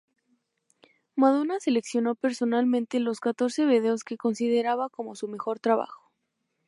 Madonna seleccionó personalmente los catorce vídeos que consideraba como su mejor trabajo.